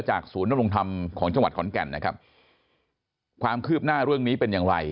ศูนย์ดำรงธรรมของจังหวัดขอนแก่นนะครับความคืบหน้าเรื่องนี้เป็นอย่างไร